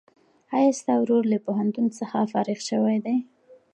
ایا ستا ورور له پوهنتون څخه فارغ شوی دی؟